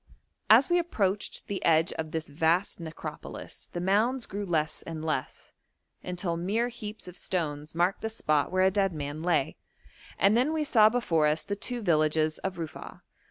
As we approached the edge of this vast necropolis the mounds grew less and less, until mere heaps of stones marked the spot where a dead man lay, and then we saw before us the two villages of Rufa'a.